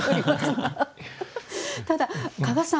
ただ加賀さん